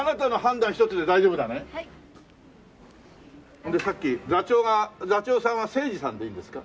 それでさっき座長が座長さんは政次さんでいいんですか？